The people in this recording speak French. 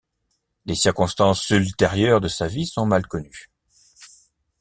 Les circonstances ultérieures de sa vie sont mal connues.